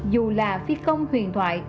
dù là phi công huyền thoại